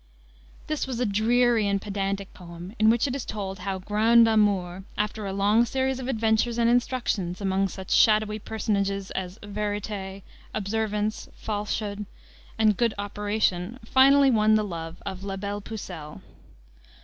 This was a dreary and pedantic poem, in which it is told how Graunde Amoure, after a long series of adventures and instructions among such shadowy personages as Verite, Observaunce, Falshed, and Good Operacion, finally won the love of La Belle Pucel.